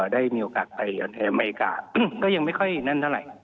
ได้มีโอกาสไปอเมริกาก็ยังไม่ค่อยแน่นเท่าไหร่